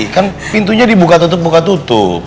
kan pintunya dibuka tutup